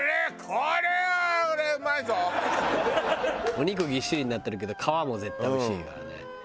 お肉ぎっしりになってるけど皮も絶対おいしいからね。